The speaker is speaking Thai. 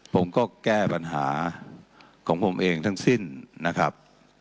ผมก็แก้ปัญหาของผมเองทั้งสิ้นนะครับ